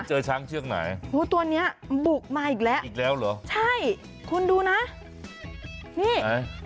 เจอช้างเชือกไหนอู้ตัวเนี้ยบุกมาอีกแล้วอีกแล้วเหรอใช่คุณดูนะนี่ไหม